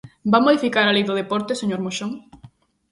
¿Van modificar a Lei do deporte, señor Moxón?